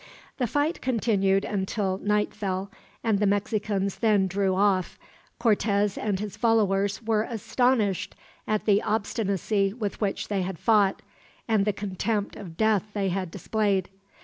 The fight continued until night fell, and the Mexicans then drew off. Cortez and his followers were astonished at the obstinacy with which they had fought, and the contempt of death they had displayed.